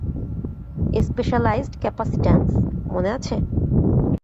Specialised capacitance, মনে আছে?